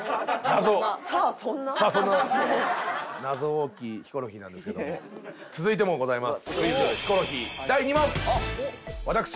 さあそんな謎多きヒコロヒーなんですけども続いてもございます。